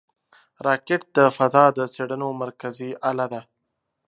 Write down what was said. راکټ د فضا د څېړنو مرکزي اله ده